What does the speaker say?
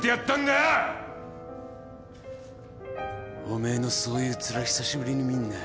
おめえのそういうツラ久しぶりに見んな。